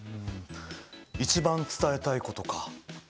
一番伝えたいことか。